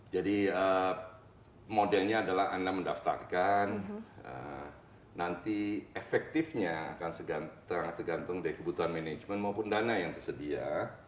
jadi modelnya adalah anda mendaftarkan nanti efektifnya akan tergantung dari kebutuhan manajemen maupun dana yang tersedia